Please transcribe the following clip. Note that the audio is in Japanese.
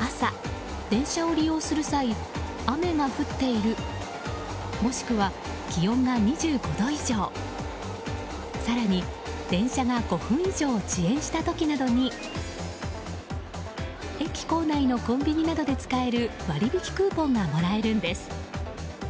朝、電車を利用する際雨が降っているもしくは気温が２５度以上更に、電車が５分以上遅延した時などに駅構内のコンビニなどで使える割引クーポンがもらえるんです。